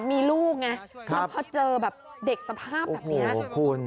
มีลูกไงเผาเจออย่างเด็กสภาพแบบนี้